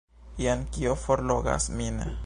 Jen kio forlogas min!